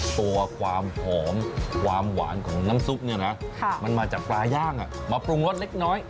ตัวความหอมความหวานของน้ำซุปเนี่ยนะมันมาจากปลาย่างมาปรุงรสเล็กน้อย